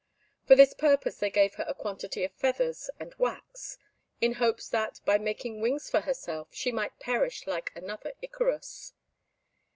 For this purpose they gave her a quantity of feathers and wax, in hopes that, by making wings for herself, she might perish like another Icarus.